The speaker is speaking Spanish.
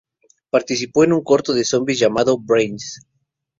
Participó en un corto de zombis llamado Brains!.